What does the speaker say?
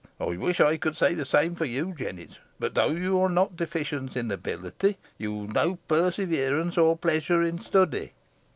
I wish I could say the same for you, Jennet; but though you're not deficient in ability, you've no perseverance or pleasure in study."